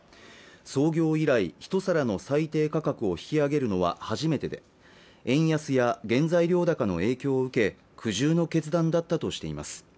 創業以来１皿の最低価格を引き上げるのは初めてで円安や原材料高の影響を受け苦渋の決断だったとしています